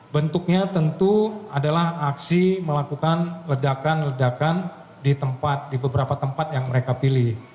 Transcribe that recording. bentuknya tentu adalah aksi melakukan ledakan ledakan di tempat di beberapa tempat yang mereka pilih